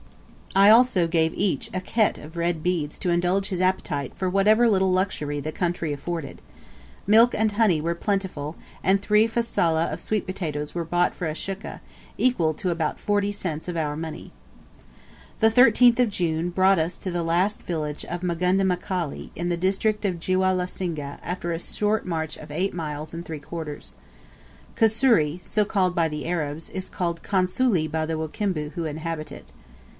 I also gave each a khete of red beads to indulge his appetite for whatever little luxury the country afforded. Milk and honey were plentiful, and three frasilah of sweet potatoes were bought for a shukka, equal to about 40 cents of our money. The 13th June brought us to the last village of Magunda Mkali, in the district of Jiweh la Singa, after a short march of eight miles and three quarters. Kusuri so called by the Arabs is called Konsuli by the Wakimbu who inhabit it.